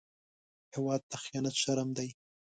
هېواد ته خيانت شرم دی